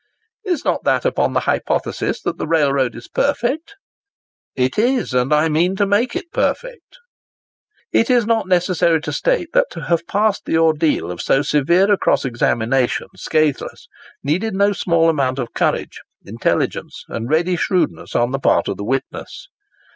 —"Is not that upon the hypothesis that the railroad is perfect?" "It is; and I mean to make it perfect." It is not necessary to state that to have passed the ordeal of so severe a cross examination scatheless, needed no small amount of courage, intelligence, and ready shrewdness on the part of the witness.